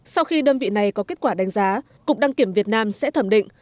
sau khi đơn vị này có kết quả đánh giá cục đăng kiểm việt nam sẽ thẩm định